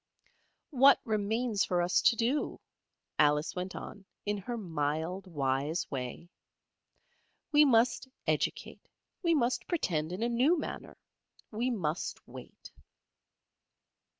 "What remains for us to do?" Alice went on in her mild wise way. "We must educate, we must pretend in a new manner, we must wait."